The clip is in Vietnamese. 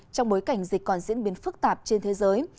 trong bối cảnh dịch còn diễn biến phức tạp trên thế giới